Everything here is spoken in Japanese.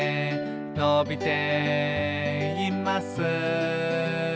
「のびています」